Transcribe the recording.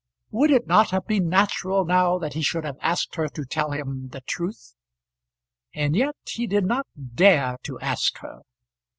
Would it not have been natural now that he should have asked her to tell him the truth? And yet he did not dare to ask her.